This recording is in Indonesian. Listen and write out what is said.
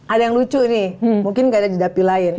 ada yang lucu nih mungkin nggak ada di dapil lain